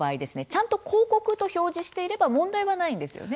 ちゃんと「広告」と表示していれば問題はないんですよね？